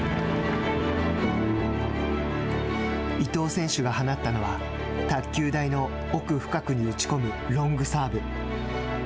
伊藤選手が放ったのは卓球台の奥深くに打ち込むロングサーブ。